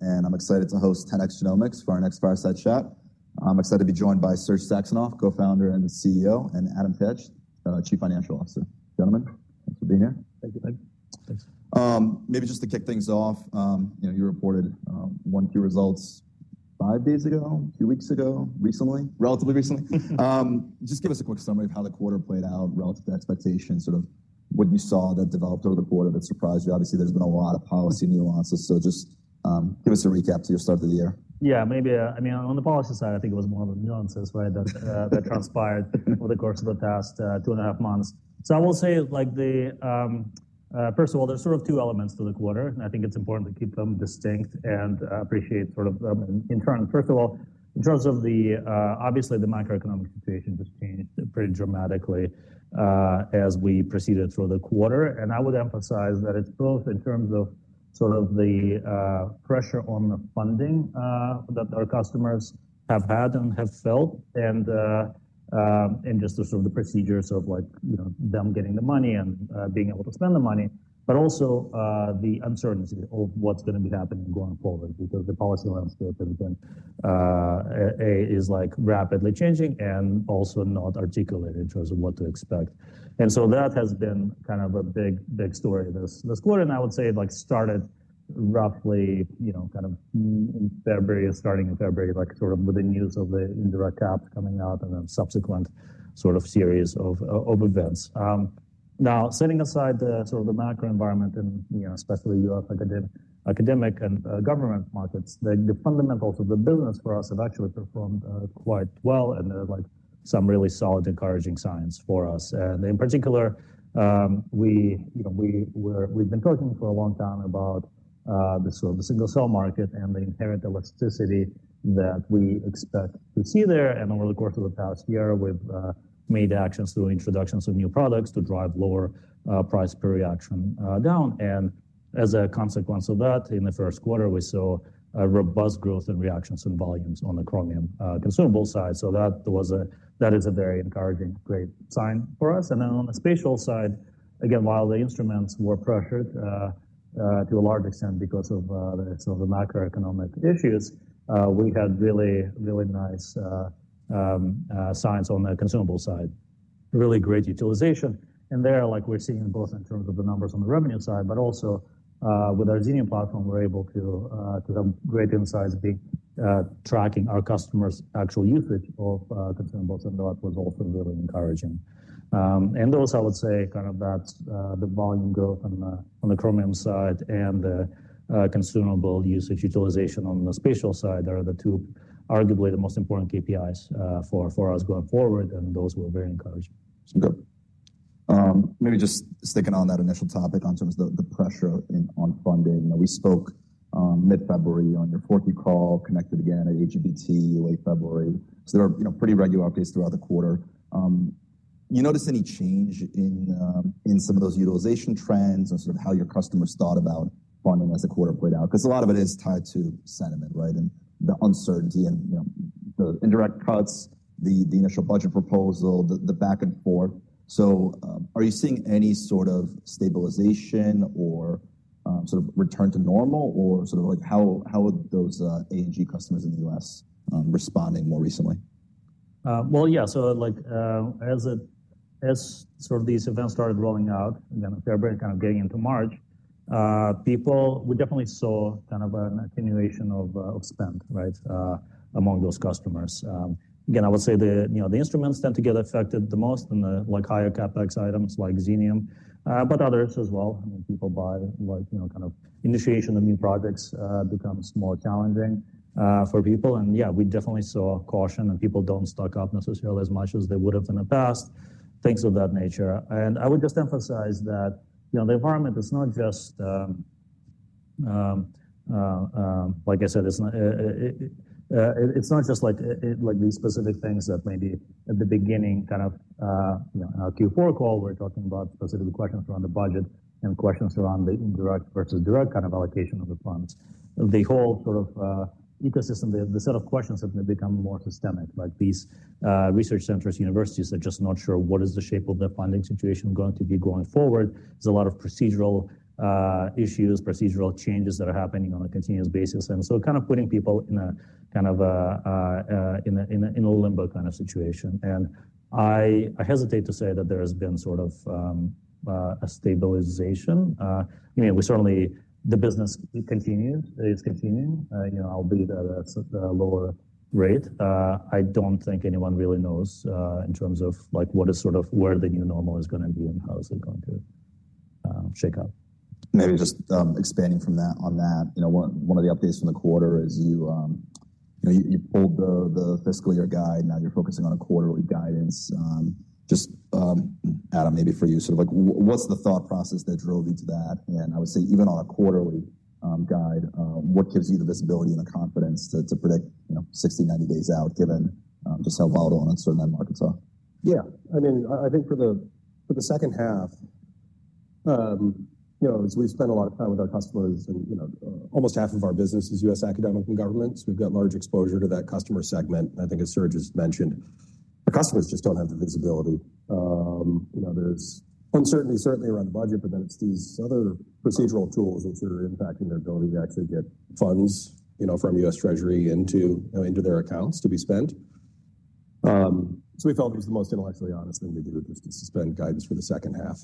And I'm excited to host 10x Genomics for our next fireside chat. I'm excited to be joined by Serge Saxonov, Co-Founder and CEO, and Adam Taich, Chief Financial Officer. Gentlemen, thanks for being here. Thank you, thank you. Maybe just to kick things off, you reported one key result five days ago, a few weeks ago, recently, relatively recently. Just give us a quick summary of how the quarter played out, relative to expectations, sort of what you saw that developed over the quarter that surprised you. Obviously, there's been a lot of policy nuances, so just give us a recap to your start of the year. Yeah, maybe. I mean, on the policy side, I think it was more of the nuances that transpired over the course of the past two and a half months. I will say, first of all, there are sort of two elements to the quarter, and I think it is important to keep them distinct and appreciate sort of in turn. First of all, in terms of the, obviously, the macroeconomic situation just changed pretty dramatically as we proceeded through the quarter. I would emphasize that it is both in terms of the pressure on the funding that our customers have had and have felt, and just the procedures of them getting the money and being able to spend the money, but also the uncertainty of what is going to be happening going forward because the policy landscape is rapidly changing and also not articulated in terms of what to expect. That has been kind of a big story this quarter. I would say it started roughly in February, starting in February, with the news of the indirect caps coming out and then subsequent series of events. Now, setting aside the sort of the macro environment, and especially the U.S. academic and government markets, the fundamentals of the business for us have actually performed quite well, and there's some really solid, encouraging signs for us. In particular, we've been talking for a long time about the single-cell market and the inherent elasticity that we expect to see there. Over the course of the past year, we've made actions through introductions of new products to drive lower price per reaction down. As a consequence of that, in the first quarter, we saw robust growth in reactions and volumes on the Chromium consumable side. That is a very encouraging, great sign for us. On the spatial side, again, while the instruments were pressured to a large extent because of the macroeconomic issues, we had really, really nice signs on the consumable side, really great utilization. There, like we're seeing both in terms of the numbers on the revenue side, but also with our Xenium platform, we're able to have great insights tracking our customers' actual usage of consumables. That was also really encouraging. Those, I would say, kind of the volume growth on the Chromium side and the consumable usage utilization on the spatial side are the two, arguably, the most important KPIs for us going forward. Those were very encouraging. Good. Maybe just sticking on that initial topic in terms of the pressure on funding. We spoke mid-February on your 40 call, connected again at AGBT late February. There are pretty regular updates throughout the quarter. You notice any change in some of those utilization trends and sort of how your customers thought about funding as the quarter played out? Because a lot of it is tied to sentiment, right, and the uncertainty and the indirect cuts, the initial budget proposal, the back and forth. Are you seeing any sort of stabilization or sort of return to normal, or sort of how are those A&G customers in the U.S. responding more recently? As sort of these events started rolling out, again, in February, kind of getting into March, people, we definitely saw kind of an attenuation of spend among those customers. Again, I would say the instruments tend to get affected the most in the higher CapEx items like Xenium, but others as well. People buy, kind of initiation of new projects becomes more challenging for people. Yeah, we definitely saw caution, and people do not stock up necessarily as much as they would have in the past, things of that nature. I would just emphasize that the environment is not just, like I said, it is not just like these specific things that maybe at the beginning, kind of Q4 call, we are talking about specific questions around the budget and questions around the indirect versus direct kind of allocation of the funds. The whole sort of ecosystem, the set of questions have become more systemic. These research centers, universities are just not sure what is the shape of the funding situation going to be going forward. There is a lot of procedural issues, procedural changes that are happening on a continuous basis. It is kind of putting people in a kind of in a limbo kind of situation. I hesitate to say that there has been sort of a stabilization. I mean, we certainly, the business continues, it is continuing, albeit at a lower rate. I do not think anyone really knows in terms of what is sort of where the new normal is going to be and how is it going to shake up. Maybe just expanding from that, one of the updates from the quarter is you pulled the fiscal year guide. Now you're focusing on a quarterly guidance. Just, Adam, maybe for you, sort of what's the thought process that drove you to that? I would say even on a quarterly guide, what gives you the visibility and the confidence to predict 60, 90 days out, given just how volatile uncertainty markets are? Yeah. I mean, I think for the second half, as we spend a lot of time with our customers, and almost half of our business is U.S. academic and governments, we've got large exposure to that customer segment. I think, as Serge just mentioned, our customers just don't have the visibility. There's uncertainty, certainly, around the budget, but then it's these other procedural tools which are impacting their ability to actually get funds from U.S. Treasury into their accounts to be spent. We felt it was the most intellectually honest thing to do, just to suspend guidance for the second half.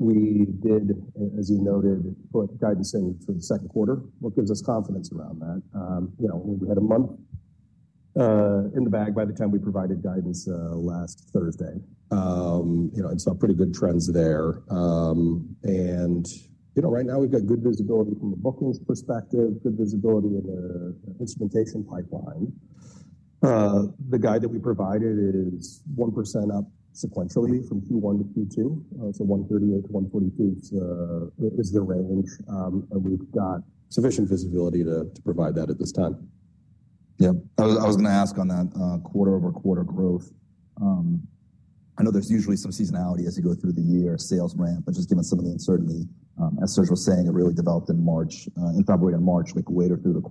We did, as you noted, put guidance in for the second quarter, which gives us confidence around that. We had a month in the bag by the time we provided guidance last Thursday. And saw pretty good trends there. Right now, we've got good visibility from a bookings perspective, good visibility in the instrumentation pipeline. The guide that we provided is 1% up sequentially from Q1 to Q2. $138-$142 is the range. We've got sufficient visibility to provide that at this time. Yeah. I was going to ask on that quarter-over-quarter growth. I know there's usually some seasonality as you go through the year, sales ramp, but just given some of the uncertainty, as Serge was saying, it really developed in February, in March, later through the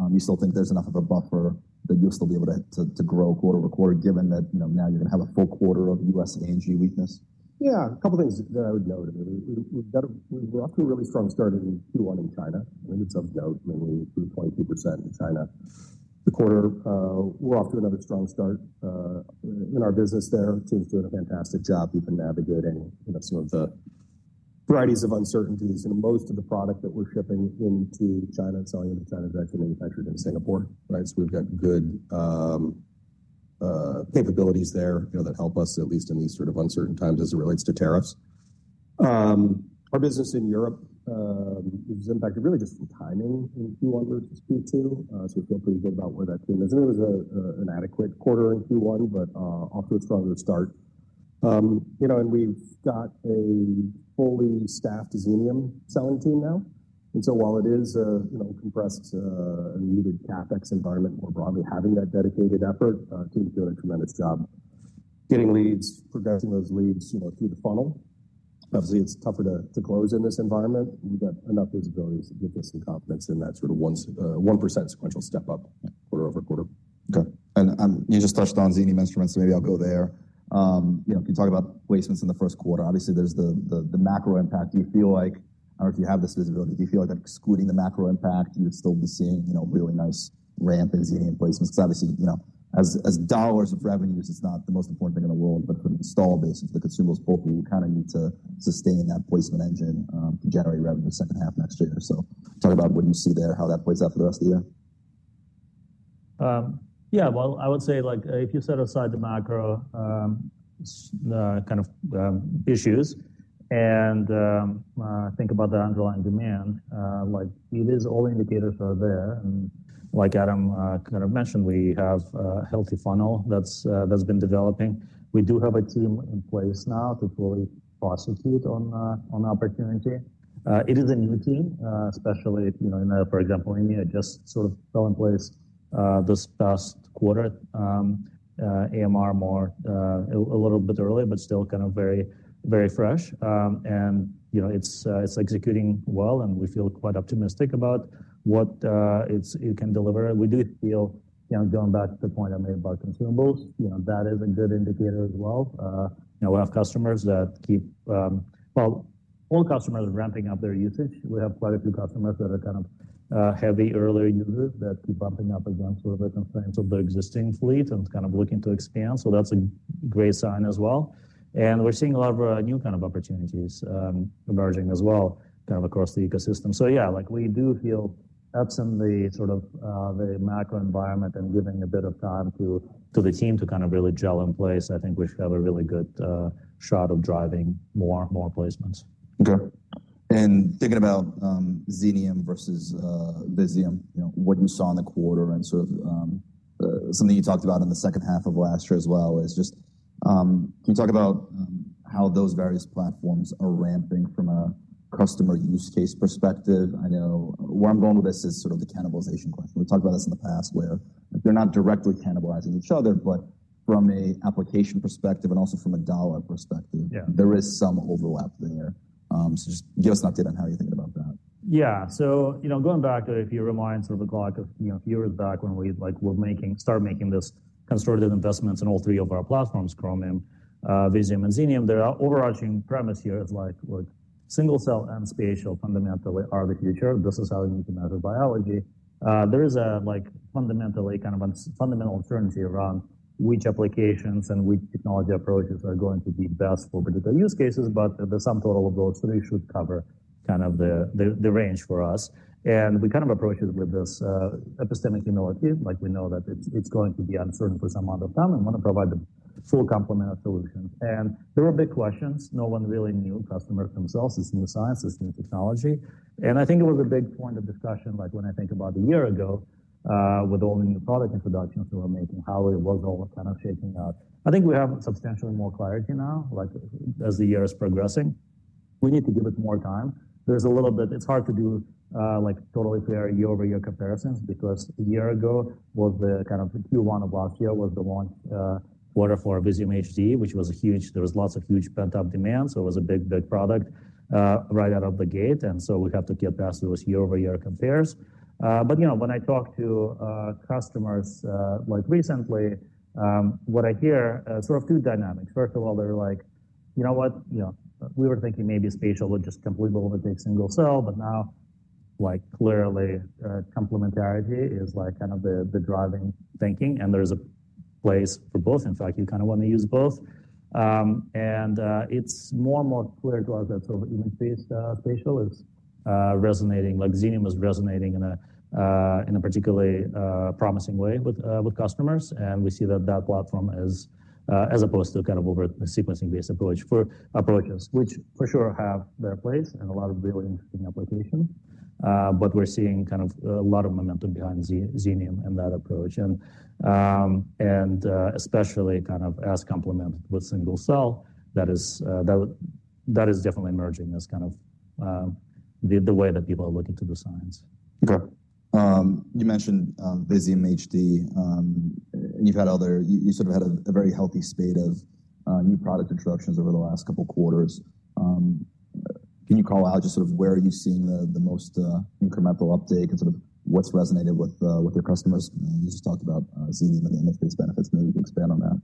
quarter, you still think there's enough of a buffer that you'll still be able to grow quarter-over-quarter, given that now you're going to have a full quarter of U.S. A&G weakness? Yeah. A couple of things that I would note. We're off to a really strong start in Q1 in China. I mean, it's of note, mainly 22% in China. The quarter, we're off to another strong start in our business there. Team's doing a fantastic job, even navigating some of the varieties of uncertainties. Most of the product that we're shipping into China and selling into China is actually manufactured in Singapore. We've got good capabilities there that help us, at least in these sort of uncertain times as it relates to tariffs. Our business in Europe is impacted really just from timing in Q1, which is Q2. We feel pretty good about where that team is. It was an adequate quarter in Q1, but off to a stronger start. We've got a fully staffed Xenium selling team now. While it is a compressed and muted CapEx environment more broadly, having that dedicated effort, teams doing a tremendous job getting leads, progressing those leads through the funnel. Obviously, it's tougher to close in this environment. We've got enough visibility to give us some confidence in that sort of 1% sequential step up quarter-over-quarter. Okay. You just touched on Xenium instruments, so maybe I'll go there. If you talk about placements in the first quarter, obviously, there's the macro impact. Do you feel like, I don't know if you have this visibility, do you feel like excluding the macro impact, you'd still be seeing really nice ramp in Xenium placements? Because obviously, as dollars of revenue, it's not the most important thing in the world, but for the install base, the consumables pool, we kind of need to sustain that placement engine to generate revenue second half next year. Talk about what you see there, how that plays out for the rest of the year. Yeah. I would say if you set aside the macro kind of issues and think about the underlying demand, all indicators are there. Like Adam kind of mentioned, we have a healthy funnel that's been developing. We do have a team in place now to fully prosecute on opportunity. It is a new team, especially in, for example, India. It just sort of fell in place this past quarter, AMR more a little bit early, but still kind of very fresh. It's executing well, and we feel quite optimistic about what it can deliver. I do feel, going back to the point I made about consumables, that is a good indicator as well. We have customers that keep, well, all customers are ramping up their usage. We have quite a few customers that are kind of heavy earlier users that keep bumping up against sort of the constraints of their existing fleet and kind of looking to expand. That is a great sign as well. We are seeing a lot of new kind of opportunities emerging as well kind of across the ecosystem. Yeah, we do feel absolutely sort of the macro environment and giving a bit of time to the team to kind of really gel in place, I think we should have a really good shot of driving more placements. Okay. Thinking about Xenium versus Visium, what you saw in the quarter and sort of something you talked about in the second half of last year as well is just can you talk about how those various platforms are ramping from a customer use case perspective? I know where I'm going with this is sort of the cannibalization question. We've talked about this in the past where they're not directly cannibalizing each other, but from an application perspective and also from a dollar perspective, there is some overlap there. Just give us an update on how you're thinking about that. Yeah. Going back, if you remind sort of a guy a few years back when we started making these constructive investments in all three of our platforms, Chromium, Visium, and Xenium, there are overarching premises here of single-cell and spatial fundamentally are the future. This is how you need to measure biology. There is a fundamental kind of fundamental uncertainty around which applications and which technology approaches are going to be best for particular use cases, but the sum total of those three should cover kind of the range for us. We kind of approach it with this epistemic humility. We know that it's going to be uncertain for some amount of time. We want to provide the full complement of solutions. There were big questions. No one really knew, customers themselves. It's new science. It's new technology. I think it was a big point of discussion when I think about a year ago with all the new product introductions that we're making, how it was all kind of shaking out. I think we have substantially more clarity now as the year is progressing. We need to give it more time. There's a little bit, it's hard to do totally fair year-over-year comparisons because a year ago, Q1 of last year was the launch quarter for Visium HD, which was huge. There was lots of huge pent-up demand. It was a big, big product right out of the gate. We have to get past those year-over-year compares. When I talk to customers recently, what I hear is sort of two dynamics. First of all, they're like, "You know what? We were thinking maybe spatial would just completely overtake single-cell, but now clearly complementarity is kind of the driving thinking. There is a place for both. In fact, you kind of want to use both. It is more and more clear to us that sort of human-based spatial is resonating. Xenium is resonating in a particularly promising way with customers. We see that that platform is, as opposed to kind of over sequencing-based approaches, which for sure have their place and a lot of really interesting applications. We are seeing kind of a lot of momentum behind Xenium and that approach. Especially kind of as complemented with single-cell, that is definitely emerging as kind of the way that people are looking to do science. Okay. You mentioned Visium HD, and you've had other, you sort of had a very healthy spate of new product introductions over the last couple of quarters. Can you call out just sort of where are you seeing the most incremental uptake and sort of what's resonated with your customers? You just talked about Xenium and the interface benefits. Maybe you can expand on that.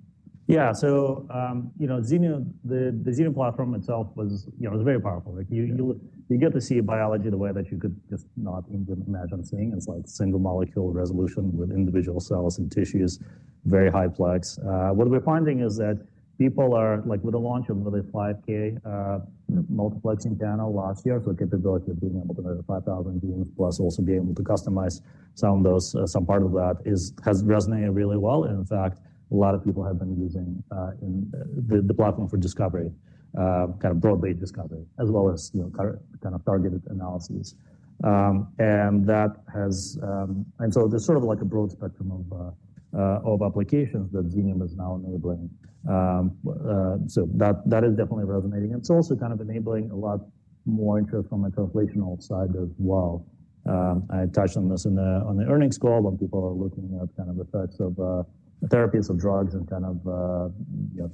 Yeah. The Xenium platform itself was very powerful. You get to see biology the way that you could just not even imagine seeing. It is like single molecule resolution with individual cells and tissues, very high plex. What we are finding is that people are, with the launch of the 5K multiplexing panel last year, the capability of being able to measure 5,000 genes plus also being able to customize some part of that has resonated really well. In fact, a lot of people have been using the platform for discovery, kind of broadly discovery, as well as kind of targeted analysis. There is sort of a broad spectrum of applications that Xenium is now enabling. That is definitely resonating. It is also kind of enabling a lot more interest from a translational side as well. I touched on this on the earnings call when people are looking at kind of effects of therapies of drugs and kind of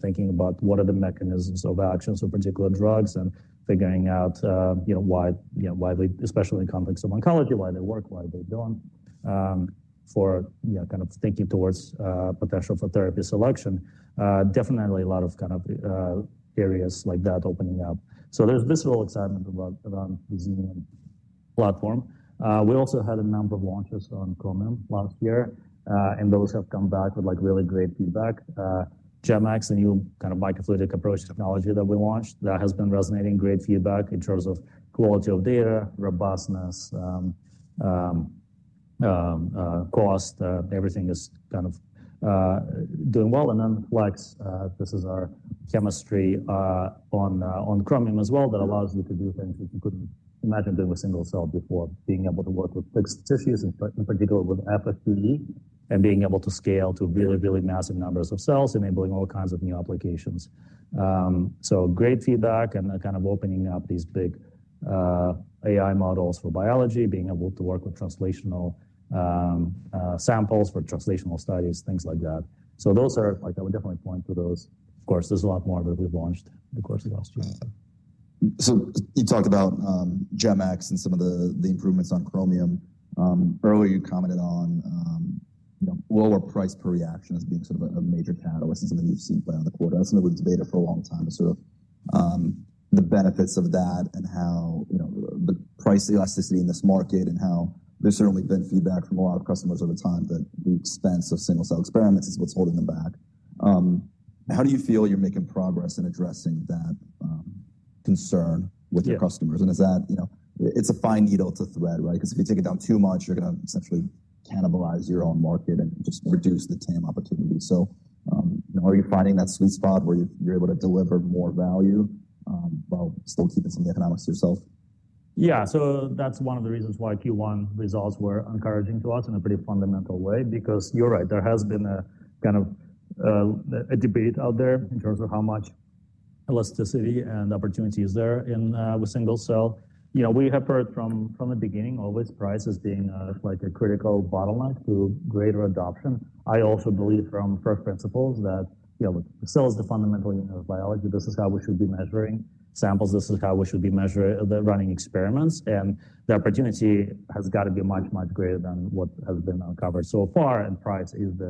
thinking about what are the mechanisms of action for particular drugs and figuring out why, especially in context of oncology, why they work, why they do not, for kind of thinking towards potential for therapy selection. Definitely a lot of kind of areas like that opening up. There is visible excitement around the Xenium platform. We also had a number of launches on Chromium last year, and those have come back with really great feedback. GemX, the new kind of microfluidic approach technology that we launched, that has been resonating, great feedback in terms of quality of data, robustness, cost, everything is kind of doing well. Flex, this is our chemistry on Chromium as well that allows you to do things that you could not imagine doing with single-cell before, being able to work with fixed tissues, in particular with FFPE, and being able to scale to really, really massive numbers of cells, enabling all kinds of new applications. Great feedback and kind of opening up these big AI models for biology, being able to work with translational samples for translational studies, things like that. I would definitely point to those. Of course, there is a lot more, but we have launched in the course of last year. You talked about GemX and some of the improvements on Chromium. Earlier, you commented on lower price per reaction as being sort of a major catalyst and something you've seen play on the quarter. That's something we've debated for a long time, sort of the benefits of that and how the price elasticity in this market and how there's certainly been feedback from a lot of customers over time that the expense of single-cell experiments is what's holding them back. How do you feel you're making progress in addressing that concern with your customers? It's a fine needle to thread, right? Because if you take it down too much, you're going to essentially cannibalize your own market and just reduce the TAM opportunity. Are you finding that sweet spot where you're able to deliver more value while still keeping some of the economics to yourself? Yeah. That is one of the reasons why Q1 results were encouraging to us in a pretty fundamental way because you are right, there has been a kind of debate out there in terms of how much elasticity and opportunity is there with single-cell. We have heard from the beginning always price as being a critical bottleneck to greater adoption. I also believe from first principles that cell is the fundamental unit of biology. This is how we should be measuring samples. This is how we should be measuring the running experiments. The opportunity has got to be much, much greater than what has been uncovered so far. Price is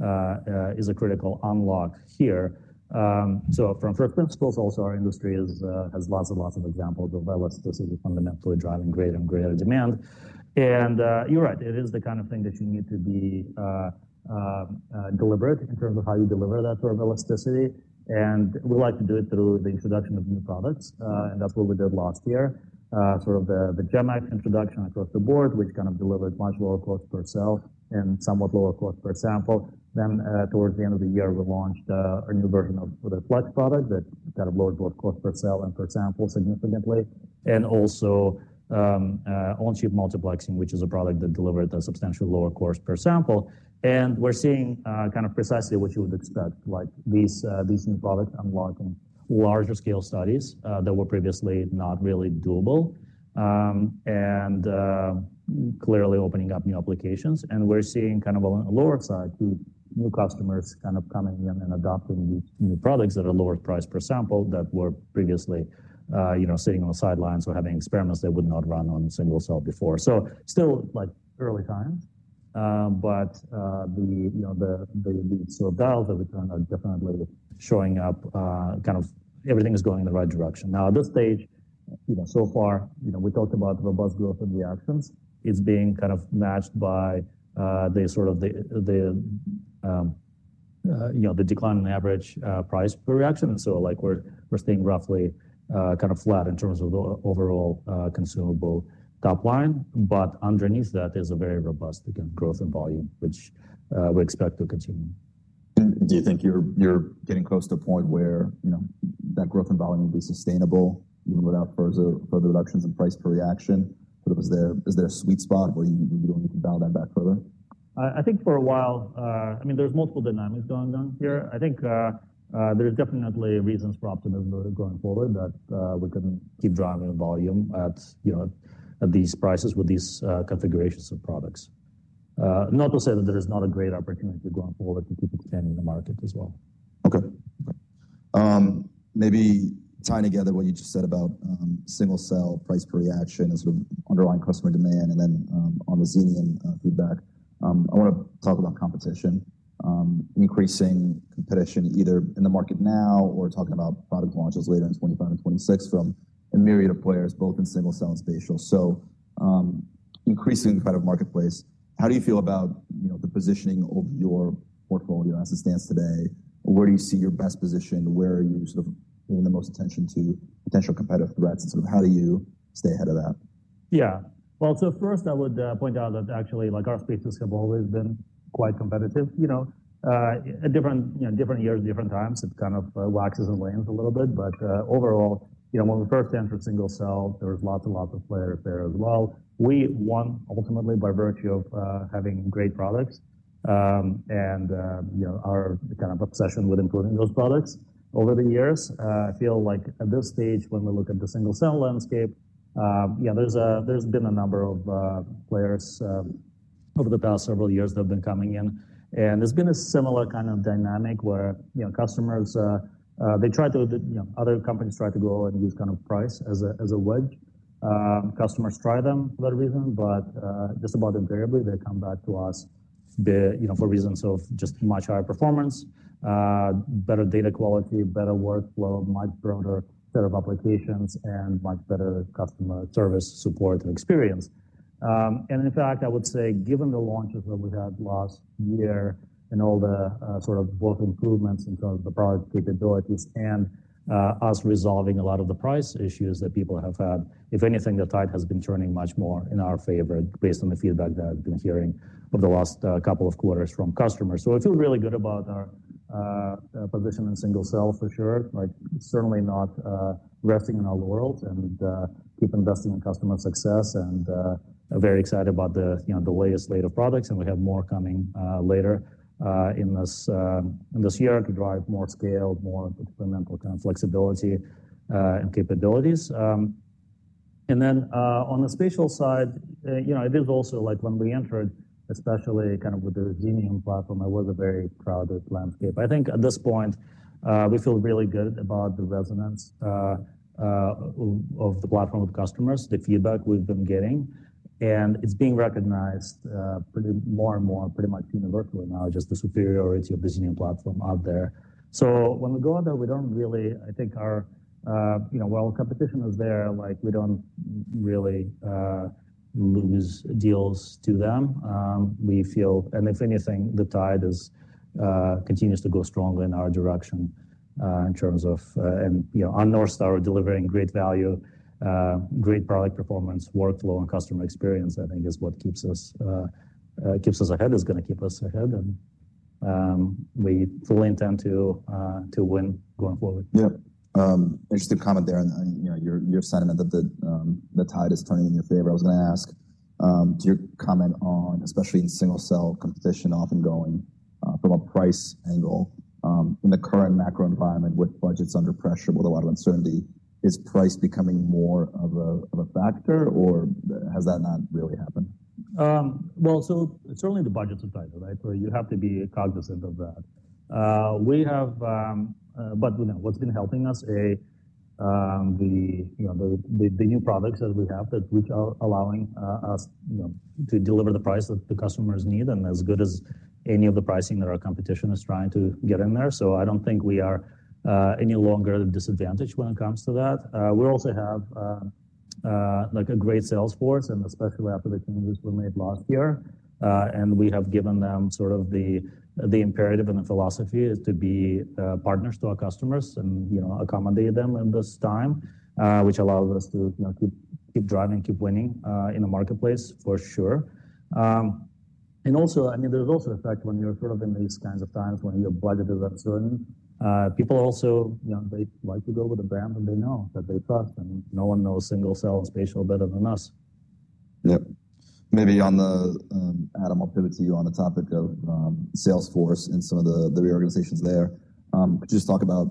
a critical unlock here. From first principles, also our industry has lots and lots of examples of elasticity fundamentally driving greater and greater demand. You're right, it is the kind of thing that you need to be deliberate in terms of how you deliver that sort of elasticity. We like to do it through the introduction of new products. That is what we did last year, sort of the GemX introduction across the board, which kind of delivered much lower cost per cell and somewhat lower cost per sample. Towards the end of the year, we launched a new version of the FLEX product that kind of lowered both cost per cell and per sample significantly. Also, on-chip multiplexing is a product that delivered a substantially lower cost per sample. We are seeing kind of precisely what you would expect, like these new products unlocking larger scale studies that were previously not really doable and clearly opening up new applications. We're seeing kind of on the lower side new customers kind of coming in and adopting these new products that are lower price per sample that were previously sitting on the sidelines or having experiments that would not run on single-cell before. Still early times, but the sort of dials that are definitely showing up, everything is going in the right direction. At this stage, so far, we talked about robust growth and reactions. It's being matched by the sort of decline in average price per reaction. We're staying roughly flat in terms of the overall consumable top line. Underneath that is a very robust growth in volume, which we expect to continue. Do you think you're getting close to a point where that growth in volume will be sustainable even without further reductions in price per reaction? Is there a sweet spot where you don't need to dial that back further? I think for a while, I mean, there's multiple dynamics going on here. I think there's definitely reasons for optimism going forward that we can keep driving volume at these prices with these configurations of products. Not to say that there is not a great opportunity going forward to keep expanding the market as well. Okay. Maybe tying together what you just said about single-cell price per reaction and sort of underlying customer demand and then on the Xenium feedback, I want to talk about competition, increasing competition either in the market now or talking about product launches later in 2025 and 2026 from a myriad of players, both in single-cell and spatial. Increasing competitive marketplace, how do you feel about the positioning of your portfolio as it stands today? Where do you see your best position? Where are you sort of paying the most attention to potential competitive threats? How do you stay ahead of that? Yeah. First, I would point out that actually our spaces have always been quite competitive. At different years, different times, it kind of waxes and wanes a little bit. Overall, when we first entered single-cell, there were lots and lots of players there as well. We won ultimately by virtue of having great products and our kind of obsession with improving those products over the years. I feel like at this stage, when we look at the single-cell landscape, there have been a number of players over the past several years that have been coming in. There has been a similar kind of dynamic where customers, they try to, other companies try to go and use kind of price as a wedge. Customers try them for that reason, but just about invariably, they come back to us for reasons of just much higher performance, better data quality, better workflow, much broader set of applications, and much better customer service support and experience. In fact, I would say given the launches that we had last year and all the sort of both improvements in terms of the product capabilities and us resolving a lot of the price issues that people have had, if anything, the tide has been turning much more in our favor based on the feedback that I've been hearing over the last couple of quarters from customers. I feel really good about our position in single-cell for sure. Certainly not resting in our laurels and keep investing in customer success and very excited about the latest state of products. We have more coming later in this year to drive more scale, more experimental kind of flexibility and capabilities. On the spatial side, it is also like when we entered, especially kind of with the Xenium platform, it was a very crowded landscape. I think at this point, we feel really good about the resonance of the platform with customers, the feedback we have been getting. It is being recognized more and more pretty much universally now, just the superiority of the Xenium platform out there. When we go out there, we do not really, I think our, well, competition is there. We do not really lose deals to them. We feel, and if anything, the tide continues to go strongly in our direction in terms of, and on North Star are delivering great value, great product performance, workflow, and customer experience, I think is what keeps us ahead, is going to keep us ahead. We fully intend to win going forward. Yeah. Interesting comment there on your sentiment that the tide is turning in your favor. I was going to ask, do you comment on, especially in single-cell competition, often going from a price angle in the current macro environment with budgets under pressure with a lot of uncertainty, is price becoming more of a factor or has that not really happened? Certainly the budgets are tighter, right? You have to be cognizant of that. What has been helping us, the new products that we have are allowing us to deliver the price that the customers need and as good as any of the pricing that our competition is trying to get in there. I do not think we are any longer disadvantaged when it comes to that. We also have a great sales force, especially after the changes we made last year. We have given them sort of the imperative and the philosophy is to be partners to our customers and accommodate them in this time, which allows us to keep driving, keep winning in the marketplace for sure. I mean, there is also the fact when you are sort of in these kinds of times when your budget is uncertain, people also, they like to go with a brand that they know, that they trust. No one knows single-cell and spatial better than us. Yeah. Maybe on the, Adam, I'll pivot to you on the topic of Salesforce and some of the reorganizations there. Could you just talk about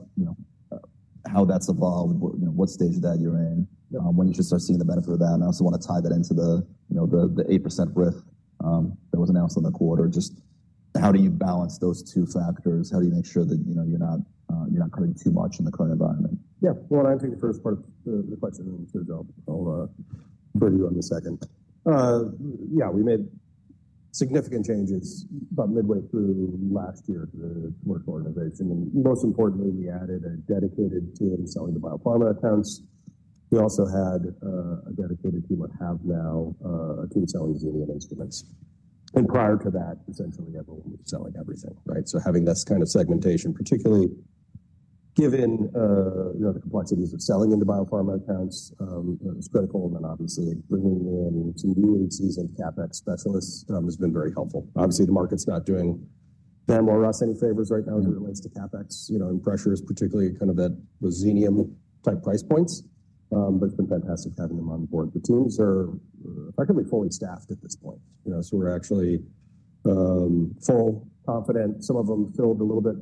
how that's evolved, what stage of that you're in, when you just start seeing the benefit of that? I also want to tie that into the 8% RIF that was announced in the quarter. Just how do you balance those two factors? How do you make sure that you're not cutting too much in the current environment? Yeah. I think the first part of the question is good job. I'll put you on the second. We made significant changes about midway through last year to the commercial organization. Most importantly, we added a dedicated team selling the biopharma accounts. We also had a dedicated team that now has a team selling Xenium instruments. Prior to that, essentially, everyone was selling everything, right? Having this kind of segmentation, particularly given the complexities of selling into biopharma accounts, is critical. Obviously, bringing in some new AGs and CapEx specialists has been very helpful. Obviously, the market's not doing Ben or Russ any favors right now as it relates to CapEx and pressures, particularly kind of at the Xenium type price points. It has been fantastic having them on board. The teams are effectively fully staffed at this point. We're actually full, confident. Some of them filled a little bit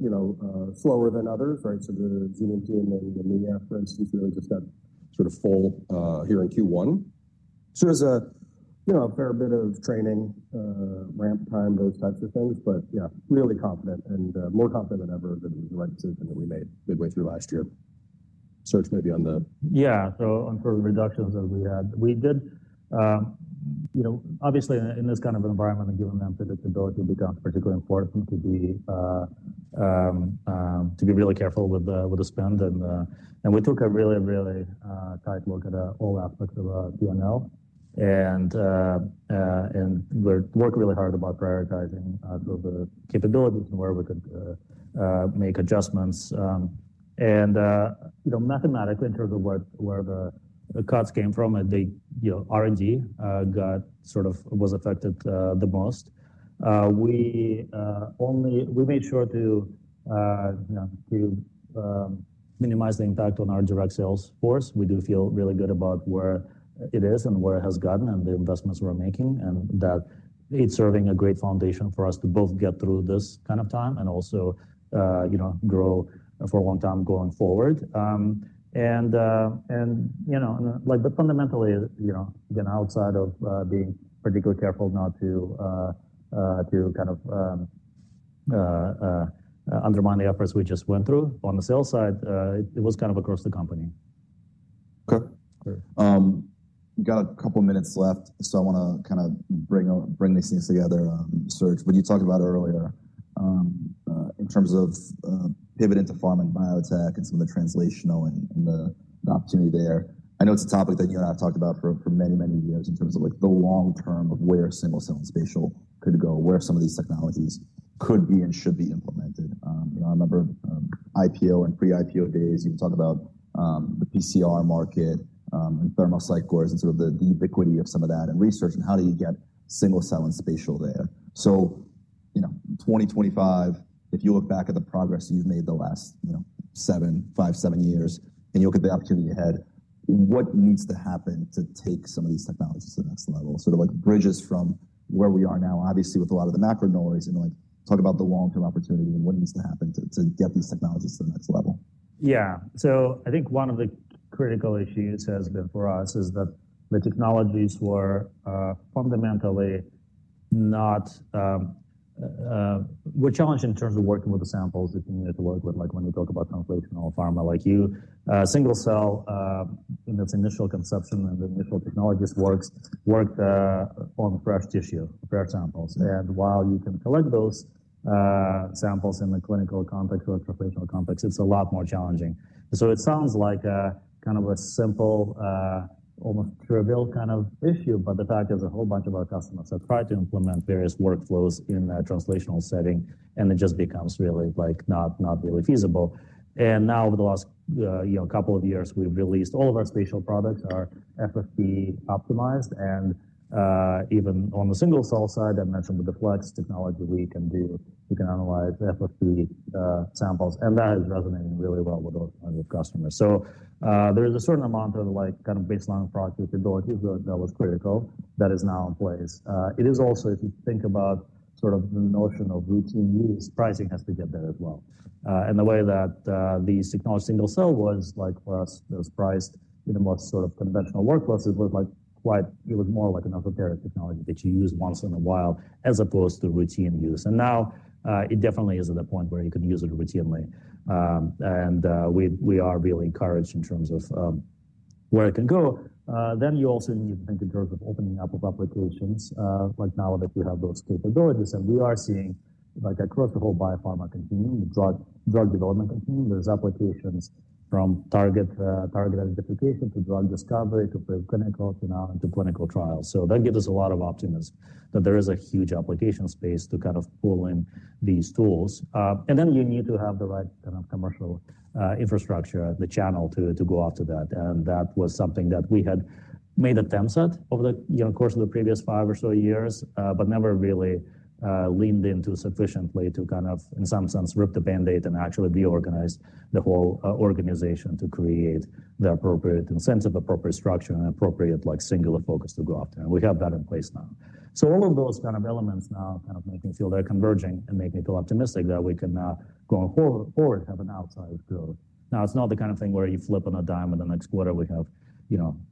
slower than others, right? The Xenium team and the NIA, for instance, really just got sort of full here in Q1. There's a fair bit of training, ramp time, those types of things. Yeah, really confident and more confident than ever that it was the right decision that we made midway through last year. Serge maybe on the. Yeah. On the reductions that we had, we did. Obviously, in this kind of environment and given that predictability becomes particularly important to be really careful with the spend. We took a really, really tight look at all aspects of P&L. We worked really hard about prioritizing the capabilities and where we could make adjustments. Mathematically, in terms of where the cuts came from, R&D got sort of was affected the most. We made sure to minimize the impact on our direct sales force. We do feel really good about where it is and where it has gotten and the investments we're making and that it's serving a great foundation for us to both get through this kind of time and also grow for a long time going forward. Fundamentally, again, outside of being particularly careful not to kind of undermine the efforts we just went through on the sales side, it was kind of across the company. Okay. We've got a couple of minutes left. I want to kind of bring these things together. Serge, what you talked about earlier in terms of pivoting to pharma and biotech and some of the translational and the opportunity there. I know it's a topic that you and I have talked about for many, many years in terms of the long term of where single-cell and spatial could go, where some of these technologies could be and should be implemented. I remember IPO and pre-IPO days, you talked about the PCR market and thermal cycles and sort of the ubiquity of some of that in research and how do you get single-cell and spatial there. If you look back at the progress you've made the last five, seven years, and you look at the opportunity ahead, what needs to happen to take some of these technologies to the next level? Sort of bridges from where we are now, obviously with a lot of the macro noise, and talk about the long-term opportunity and what needs to happen to get these technologies to the next level. Yeah. I think one of the critical issues has been for us is that the technologies were fundamentally not, were challenged in terms of working with the samples that you needed to work with. Like when we talk about translational pharma, like you, single-cell in its initial conception and the initial technologies worked on fresh tissue, fresh samples. While you can collect those samples in the clinical context or translational context, it's a lot more challenging. It sounds like kind of a simple, almost trivial kind of issue, but the fact is a whole bunch of our customers have tried to implement various workflows in a translational setting, and it just becomes really not really feasible. Now over the last couple of years, we've released all of our spatial products are FFPE optimized. Even on the single-cell side, I mentioned with the FLEX technology, we can analyze FFPE samples. That is resonating really well with a lot of customers. There is a certain amount of kind of baseline product capabilities that was critical that is now in place. If you think about sort of the notion of routine use, pricing has to get there as well. The way that the single-cell was for us, it was priced in the most sort of conventional workflows. It was more like an authoritative technology that you use once in a while as opposed to routine use. Now it definitely is at a point where you can use it routinely. We are really encouraged in terms of where it can go. You also need to think in terms of opening up of applications, like now that we have those capabilities. We are seeing across the whole biopharma continuum, the drug development continuum, there are applications from target identification to drug discovery to clinical to now into clinical trials. That gives us a lot of optimism that there is a huge application space to kind of pull in these tools. You need to have the right kind of commercial infrastructure, the channel to go after that. That was something that we had made attempts at over the course of the previous five or so years, but never really leaned into sufficiently to kind of, in some sense, rip the Band-Aid and actually reorganize the whole organization to create the appropriate incentive, appropriate structure, and appropriate singular focus to go after. We have that in place now. All of those kind of elements now kind of make me feel they're converging and make me feel optimistic that we can now go forward, have an outside growth. Now, it's not the kind of thing where you flip on a dime and the next quarter we have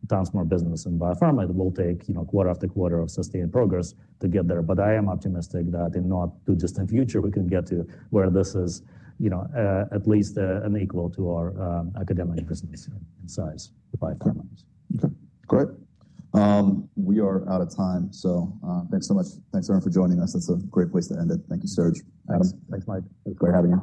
tons more business in biopharma. It will take quarter after quarter of sustained progress to get there. I am optimistic that in not too distant future, we can get to where this is at least an equal to our academic business in size, the biopharma. Okay. Great. We are out of time. So thanks so much. Thanks, everyone, for joining us. That's a great place to end it. Thank you, Serge. Thanks, Mike. It's great having you.